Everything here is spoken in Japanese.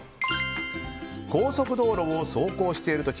高速道路を走行している時